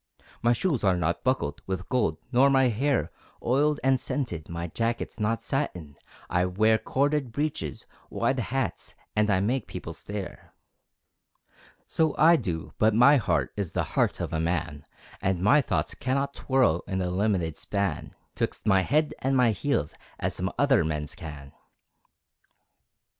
My shoes are not buckled With gold, nor my hair Oiled and scented, my jacket's Not satin, I wear Corded breeches, wide hats, And I make people stare! So I do, but my heart Is the heart of a man, And my thoughts cannot twirl In the limited span 'Twixt my head and my heels, As some other men's can.